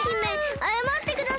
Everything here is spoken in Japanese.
あやまってください！